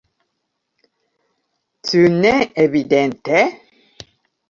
Ĉu ne evidente?